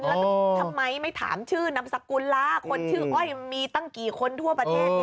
แล้วทำไมไม่ถามชื่อนามสกุลล่ะคนชื่ออ้อยมีตั้งกี่คนทั่วประเทศ